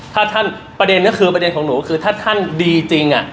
ถ้าท่านประเด็นก็คือประเด็นของหนูคือถ้าท่านดีจริง